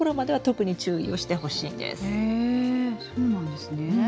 へぇそうなんですね。